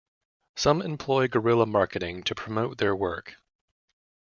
Some employ guerrilla marketing to promote their work.